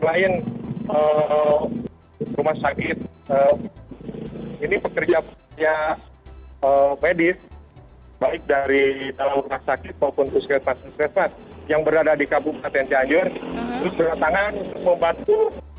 selain rumah sakit ini pekerja pekerja medis baik dari dalam rumah sakit maupun puskesmas yang berada di kabupaten cianjur terus berdatangan untuk membantu